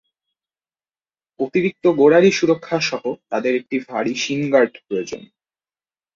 অতিরিক্ত গোড়ালি সুরক্ষা সহ তাদের একটি ভারী শিন গার্ড প্রয়োজন।